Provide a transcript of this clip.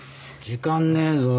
時間ねぇぞ。